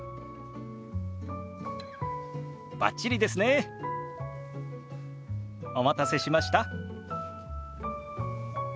バッチリですね。お待たせしました。